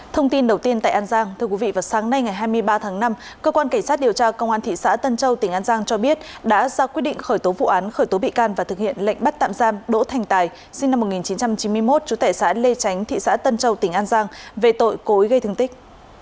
thông tin đầu tiên tại an giang thưa quý vị vào sáng nay ngày hai mươi ba tháng năm cơ quan cảnh sát điều tra công an thị xã tân châu tỉnh an giang cho biết đã ra quyết định khởi tố vụ án khởi tố bị can và thực hiện lệnh bắt tạm giam đỗ thành tài sinh năm một nghìn chín trăm chín mươi một trú tại xã lê tránh thị xã tân châu tỉnh an giang về tội cối gây thương tích